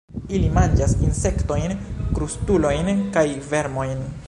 Ili manĝas insektojn, krustulojn kaj vermojn.